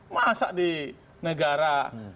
masa di negara